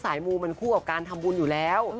มูมันคู่กับการทำบุญอยู่แล้ว